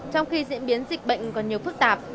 trong khi diễn biến dịch bệnh còn nhiều phức tạp